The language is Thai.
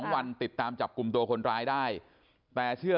วันติดตามจับกลุ่มตัวคนร้ายได้แต่เชื่อ